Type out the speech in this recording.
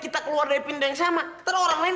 kita keluar dari pindah yang sama ntar orang lain